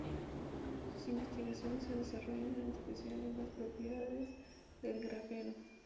Sus investigaciones se desarrollan en especial en las propiedades del grafeno.